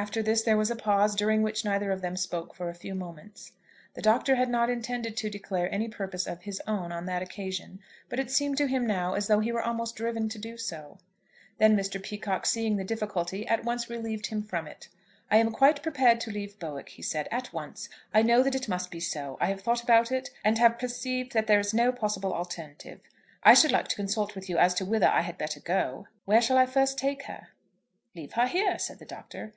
After this there was a pause, during which neither of them spoke for a few moments. The Doctor had not intended to declare any purpose of his own on that occasion, but it seemed to him now as though he were almost driven to do so. Then Mr. Peacocke seeing the difficulty at once relieved him from it. "I am quite prepared to leave Bowick," he said, "at once. I know that it must be so. I have thought about it, and have perceived that there is no possible alternative. I should like to consult with you as to whither I had better go. Where shall I first take her?" "Leave her here," said the Doctor.